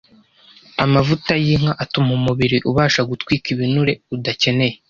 Amavuta y’inka atuma umubiri ubasha gutwika binure udakeneye